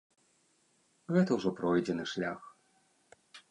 Гэта ўжо пройдзены шлях.